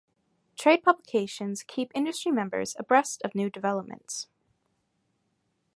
Trade publications keep industry members abreast of new developments.